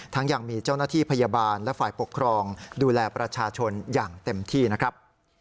ยังมีเจ้าหน้าที่พยาบาลและฝ่ายปกครองดูแลประชาชนอย่างเต็มที่นะครับ